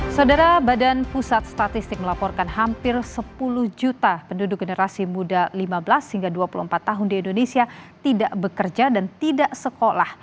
saudara badan pusat statistik melaporkan hampir sepuluh juta penduduk generasi muda lima belas hingga dua puluh empat tahun di indonesia tidak bekerja dan tidak sekolah